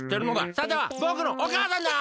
さてはぼくのおかあさんだな！